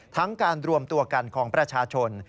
ทั้งการรวมตัวกันของประชาชน